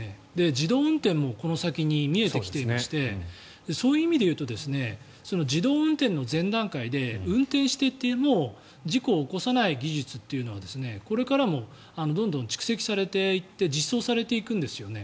自動運転もこの先見えてきていてそういう意味で言うと自動運転の前段階で運転していても事故を起こさない技術っていうのはこれからもどんどん蓄積されていって実装されていくんですよね。